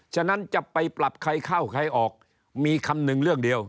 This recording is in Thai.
ฉะนั้นจะไปปรับใครเข้าใครออกมีคำนึงเรื่องเดียว